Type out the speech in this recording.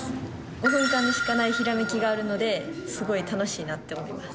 ５分間にしかないひらめきがあるのですごい楽しいなって思います。